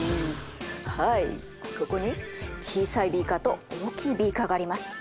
はいここに小さいビーカーと大きいビーカーがあります。